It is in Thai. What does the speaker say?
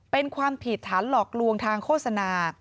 เป็นความผิดฐานหลอกลวงทางโฆษณา